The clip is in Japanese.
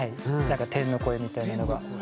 なんか天の声みたいなのが。